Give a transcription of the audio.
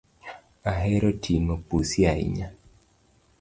Ahero ting’o pusi ahinya